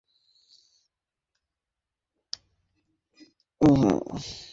এই গানটি, - তোমান পছন্দের, তাই না?